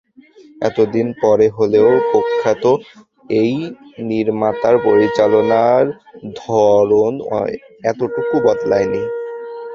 এত দিন পরে হলেও প্রখ্যাত এই নির্মাতার পরিচালনার ধরন এতটুকু বদলায়নি।